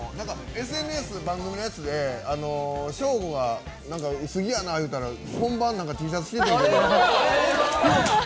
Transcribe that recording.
ＳＮＳ、番組のやつで将吾が、薄着やないったら本番Ｔシャツ着てきてんねんけど。